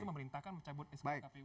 itu memerintahkan mencabut sk kpu itu